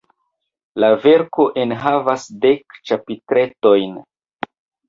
La verko enhavas dek ĉapitretojn.